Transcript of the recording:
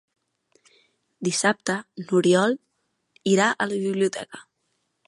Dissabte n'Oriol irà a la biblioteca.